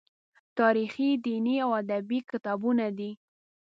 تاریخي، دیني او ادبي کتابونه دي.